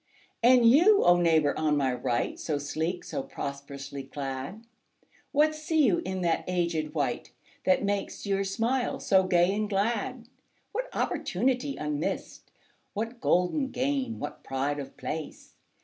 And you, O neighbour on my right So sleek, so prosperously clad! What see you in that aged wight That makes your smile so gay and glad? What opportunity unmissed? What golden gain, what pride of place?